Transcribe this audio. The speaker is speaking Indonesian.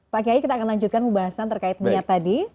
pak kyai kita akan lanjutkan pembahasan terkait berniat tadi